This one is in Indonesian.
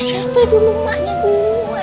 siapa dulu maknya gue